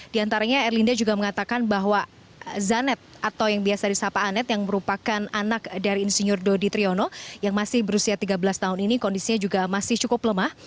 di antaranya erlinda juga mengatakan bahwa zanet atau yang biasa disapa anet yang merupakan anak dari insinyur dodi triyono yang masih berusia tiga belas tahun ini kondisinya juga masih cukup lemah